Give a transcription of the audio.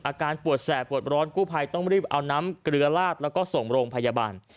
อาการปวดแสบปวดร้อนกู้ภัยต้องรีบเอาน้ำเกลือลาดแล้วก็ส่งโรงพยาบาล